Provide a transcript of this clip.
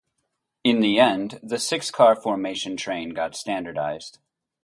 In the end, the six-car formation train got standardized.